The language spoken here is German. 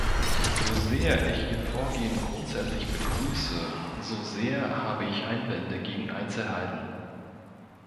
So sehr ich Ihr Vorgehen grundsätzlich begrüße, so sehr habe ich Einwände gegen Einzelheiten.